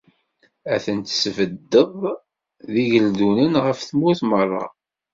Ad ten-tesbeddeḍ d igeldunen ɣef tmurt merra.